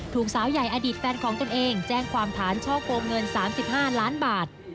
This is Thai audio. สาวใหญ่อดีตแฟนของตนเองแจ้งความฐานช่อโกงเงิน๓๕ล้านบาท